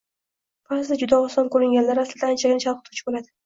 Baʼzida juda oson koʻringanlari aslida anchagina chalgʻituvchi boʻladi